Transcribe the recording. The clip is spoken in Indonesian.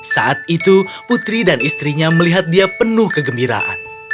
saat itu putri dan istrinya melihat dia penuh kegembiraan